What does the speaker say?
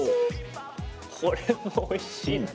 これもおいしいな。